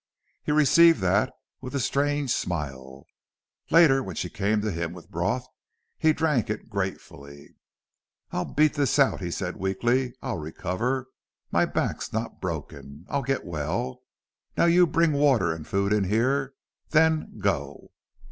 He received that with a strange smile. Later, when she came to him with broth, he drank it gratefully. "I'll beat this out," he said, weakly. "I'll recover. My back's not broken. I'll get well. Now you bring water and food in here then go."